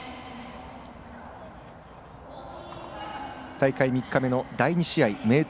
大会３日目の第２試合明徳